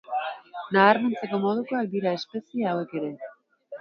Nabarmentzeko modukoak dira espezie hauek ere.